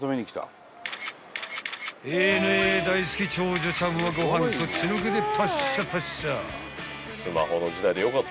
［ＡＮＡ大好き長女ちゃんはご飯そっちのけでパッシャパッシャ］